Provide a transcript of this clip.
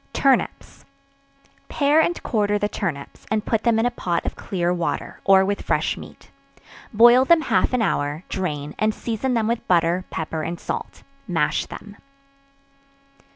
Turnips. Pare and quarter the turnips, and put them in a pot of clear water, or with fresh meat; boil them half an hour; drain, and season them with butter, pepper and salt; mash them.